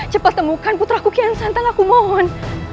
cepat temukan putraku kian santan aku mohon